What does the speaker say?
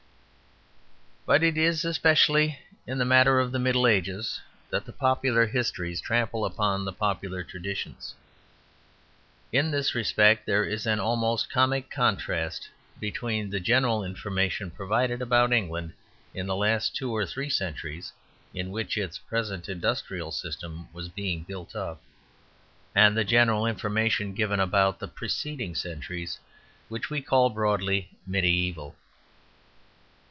But it is especially in the matter of the Middle Ages that the popular histories trample upon the popular traditions. In this respect there is an almost comic contrast between the general information provided about England in the last two or three centuries, in which its present industrial system was being built up, and the general information given about the preceding centuries, which we call broadly mediæval.